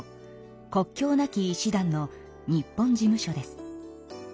国境なき医師団の日本事務所です。